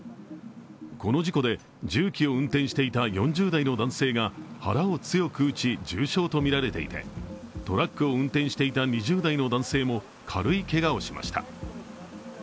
この事故で重機を運転していた４０代の男性が腹を強く打ち重傷とみられていてトラックを運転していた２０代の男性も軽いけがをしました。